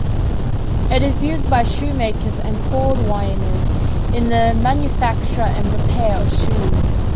It is used by shoemakers and cordwainers in the manufacture and repair of shoes.